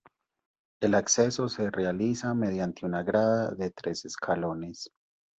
El acceso se realiza mediante una grada de tres escalones.